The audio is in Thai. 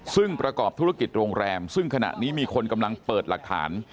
ซึ่งประกอบธุรกิจโรงแรมซึ่งขณะนี้มีคนกำลังเปิดหลักฐาน